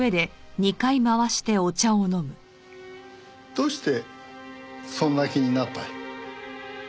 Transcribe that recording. どうしてそんな気になった？